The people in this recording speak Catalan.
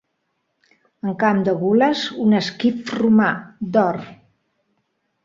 En camp de gules, un esquif romà, d'or.